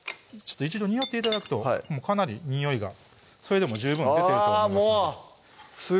一度におって頂くとかなりにおいがそれでも十分出てると思います